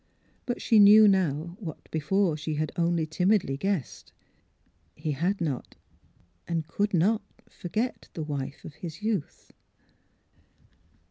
But she knew now what before she had only timidly guessed : he had not — and could not forget the wife of his youth.